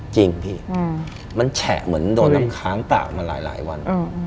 จริงพี่มันแฉะเหมือนโดนน้ำค้างตากมาหลายวัน